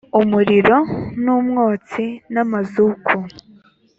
umuriro n umwotsi n amazuku